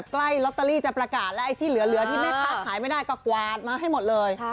พลาก่าระที่เหลือไม่ได้กวนมาให้หมดเลย